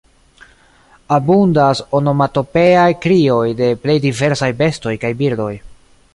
Abundas onomatopeaj krioj de plej diversaj bestoj kaj birdoj.